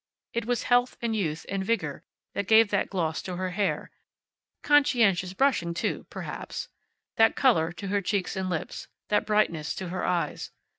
It was health and youth, and vigor that gave that gloss to her hair (conscientious brushing too, perhaps), that color to her cheeks and lips, that brightness to her eyes.